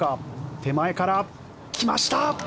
手前から、来ました！